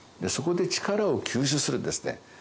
そこで力を吸収するんですね。